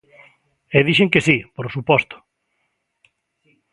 E dixen que si, por suposto.